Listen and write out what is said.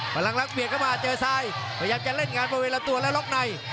พลังลักษเบียดเข้ามาเจอซ้ายพยายามจะเล่นงานบริเวณลำตัวและล็อกใน